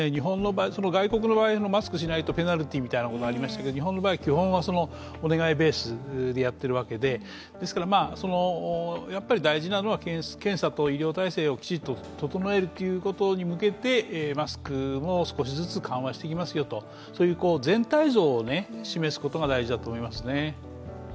外国の場合、マスクをしないとペナルティーということがありますが日本の場合は基本はお願いベースでやっているわけで、やっぱり大事なのは検査と医療体制をきちんと整えるということに向けてマスクも少しずつ緩和していきますよと、そういう全体像を示すことが大事だと思いますね。